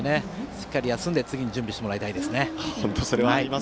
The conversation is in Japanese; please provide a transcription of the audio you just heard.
しっかり休んで次の準備をしてもらいたいですね。